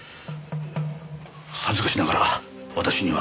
恥ずかしながら私には何も。